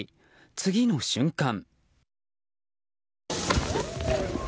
次の瞬間。